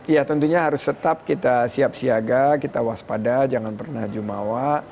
ya tentunya harus tetap kita siap siaga kita waspada jangan pernah jumawa